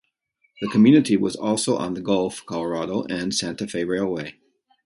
The community was also on the Gulf, Colorado and Santa Fe Railway.